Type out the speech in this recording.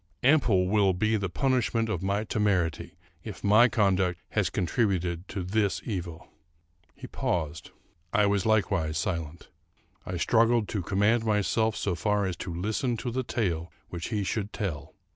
Ample will be the punishment of my temerity, if my conduct has contributed to this evil." He paused. I likewise was silent. I struggled to command myself so far as to listen to the tale which he should tell.